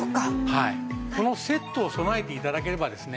このセットを備えて頂ければですね